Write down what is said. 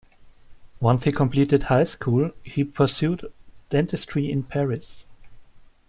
Once he completed high school, he pursued Dentistry in Paris.